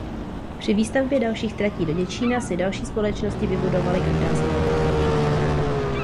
Při výstavbě dalších tratí do Děčína si další společnosti vybudovaly každá svoje depo.